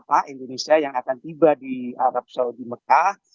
dan juga jamaah indonesia yang akan tiba di arab saudi mekah